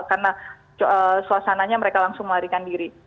karena suasananya mereka langsung melarikan diri